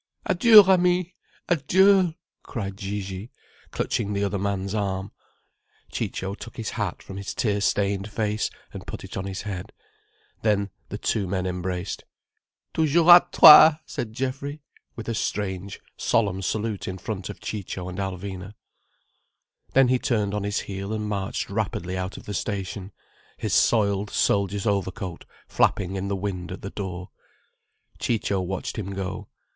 "Adieu, ami! Adieu!" cried Gigi, clutching the other man's arm. Ciccio took his hat from his tear stained face and put it on his head. Then the two men embraced. "Toujours à toi!" said Geoffrey, with a strange, solemn salute in front of Ciccio and Alvina. Then he turned on his heel and marched rapidly out of the station, his soiled soldier's overcoat flapping in the wind at the door. Ciccio watched him go.